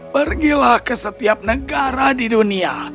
pergilah ke setiap negara di dunia